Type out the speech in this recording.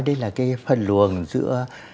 đấy là cái phân luồng giữa